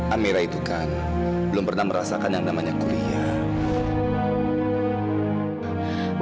amira itu kan belum pernah merasakan yang namanya kuliah